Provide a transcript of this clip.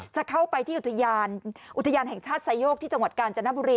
จะเข้าไปที่อุทยานอุทยานแห่งชาติไซโยกที่จังหวัดกาญจนบุรี